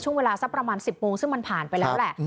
ช่วงเวลาสักประมาณ๑๐โมงซึ่งมันผ่านไปแล้วแหละ